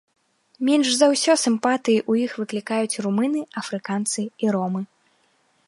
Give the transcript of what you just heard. Менш за ўсё сімпатыі ў іх выклікаюць румыны, афрыканцы і ромы.